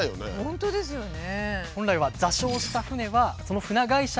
本当ですよね。